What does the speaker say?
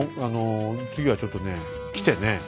あの次はちょっとね来てね